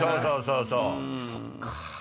そっか。